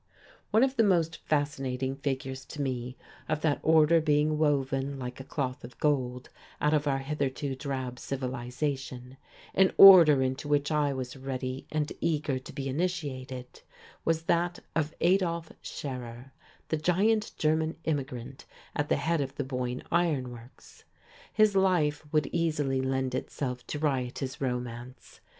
One of the most fascinating figures, to me, of that Order being woven, like a cloth of gold, out of our hitherto drab civilization, an Order into which I was ready and eager to be initiated, was that of Adolf Scherer, the giant German immigrant at the head of the Boyne Iron Works. His life would easily lend itself to riotous romance.